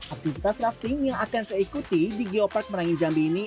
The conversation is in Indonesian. aktivitas rafting yang akan saya ikuti di geopark merangin jambi ini